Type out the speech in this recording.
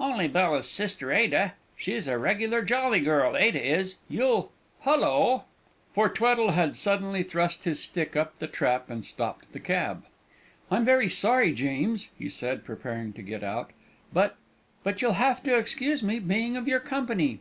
"Only Bella's sister, Ada. She's a regular jolly girl, Ada is, you'll Hullo!" For Tweddle had suddenly thrust his stick up the trap and stopped the cab. "I'm very sorry, James," he said, preparing to get out, "but but you'll have to excuse me being of your company."